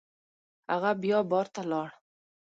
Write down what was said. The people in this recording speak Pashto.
هغه بیا بار ته لاړ.